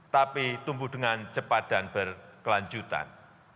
tapi tumbuh dengan cepat dan berkelanjutan